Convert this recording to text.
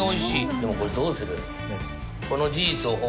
でもこれどうする？